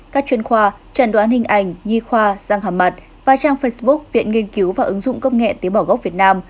các chuyên khoa trận đoán hình ảnh nhi khoa răng hàm mặt và trang facebook viện nghiên cứu và ứng dụng công nghệ tế bào gốc việt nam